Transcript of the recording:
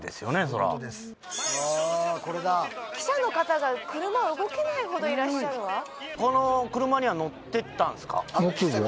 それはわあこれだ記者の方が車動けないほどいらっしゃるわこの車には乗ってたんすか？